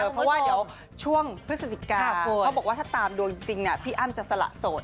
เพราะว่าเดี๋ยวช่วงพฤศจิกาเขาบอกว่าถ้าตามดวงจริงพี่อ้ำจะสละโสด